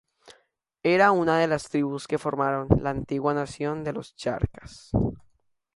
Era una de las tribus que formaron la Antigua nación de los Charcas.